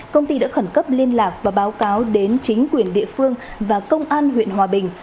công ty đã khẩn cấp liên lạc và báo cáo đến chính quyền địa phương và công an huyện hòa bình